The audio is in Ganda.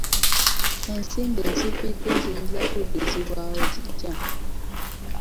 Ensimbi ezibbiddwa ziyinza kuddizibwawo zitya?